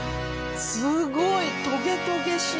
すごいトゲトゲしい！